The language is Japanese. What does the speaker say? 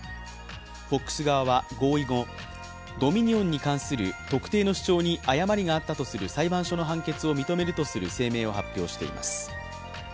ＦＯＸ側は合意後、ドミニオンに関する特定の主張に誤りがあったとする裁判所の判決を認めるとする声明を発表しています。